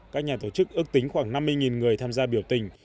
các nhà tổ chức ước tính khoảng năm mươi người tham gia biểu tình